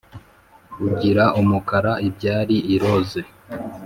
Ugira umukara ibyari iroze